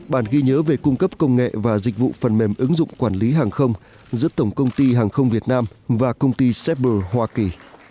bản ghi nhớ về cung cấp công nghệ và dịch vụ phần mềm ứng dụng quản lý hàng không giữa tổng công ty hàng không việt nam và công ty sepber hoa kỳ